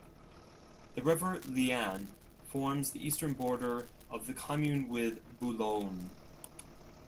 The river Liane forms the eastern border of the commune with Boulogne.